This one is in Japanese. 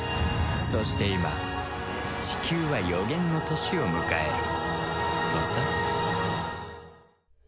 そして今チキューは予言の年を迎えるとさ